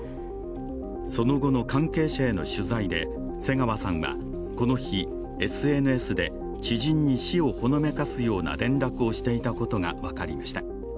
その後の関係者への取材で、瀬川さんはこの日、ＳＮＳで知人に死をほのめかすような連絡をしていたことが分かりました。